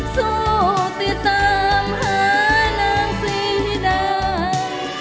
สู้ติดตามหานางสีดาย